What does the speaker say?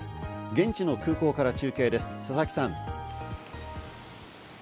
現地の空港から中継です、佐々木さん。